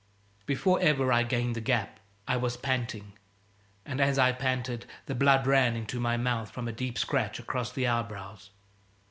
Before ever I gained the gap I was panting, and as I panted the blood ran into my mouth from a deep scratch across the eyebrows.